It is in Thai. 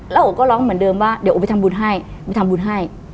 แล้วโอก็ร้องเหมือนเดิมว่าเดี๋ยวโอไปทำบุญให้ไปทำบุญให้